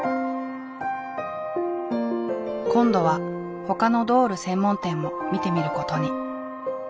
今度はほかのドール専門店も見てみることに。